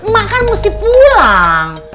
mak kan mesti pulang